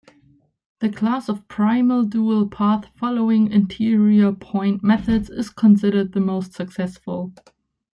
The class of primal-dual path-following interior point methods is considered the most successful.